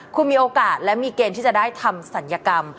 คุณมีโอกาสและมีเกณฑ์ที่จะได้ทำศัลยกรรม